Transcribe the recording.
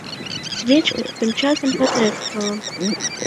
Свечка тым часам патрэсквала.